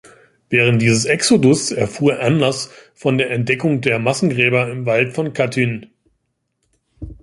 Während dieses Exodus erfuhr Anders von der Entdeckung der Massengräber im Wald von Katyn.